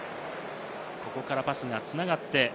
ここからパスが繋がって。